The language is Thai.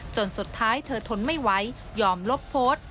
จนสุดท้ายเธอทนไม่ไหวยอมลบโพสต์